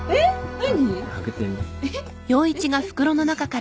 何？